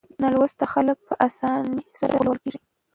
نالوستي خلک په اسانۍ سره غولول کېږي.